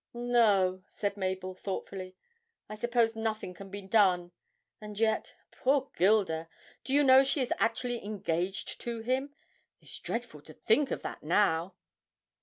'No,' said Mabel, thoughtfully, 'I suppose nothing can be done and yet, poor Gilda! Do you know she is actually engaged to him? It's dreadful to think of that now.